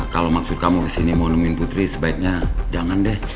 kalau maksud kamu kesini mau nemuin putri sebaiknya jangan deh